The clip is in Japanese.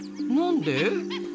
何で？